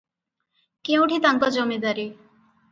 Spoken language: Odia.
କେଉଁଠି ତାଙ୍କ ଜମିଦାରୀ?